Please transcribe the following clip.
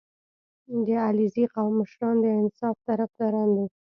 • د علیزي قوم مشران د انصاف طرفداران دي.